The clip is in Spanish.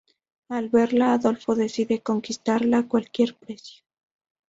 Al verla, Adolfo decide conquistarla a cualquier precio.